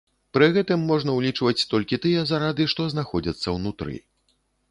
Пры гэтым можна ўлічваць толькі тыя зарады, што знаходзяцца ўнутры.